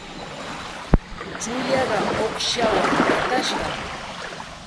Tsullaaqa uuqshawan qatashqam.